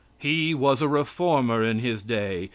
He was a reformer in His day.